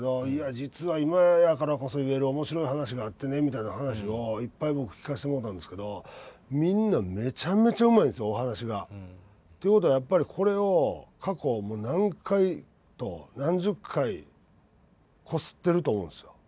実は今やからこそ言える面白い話があってねみたいな話をいっぱい僕聞かせてもろうたんですけどみんなめちゃめちゃうまいんすよお話が。ということはやっぱりこれを過去もう何回と何十回こすってると思うんですよ。